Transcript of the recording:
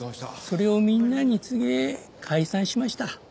それをみんなに告げ解散しました。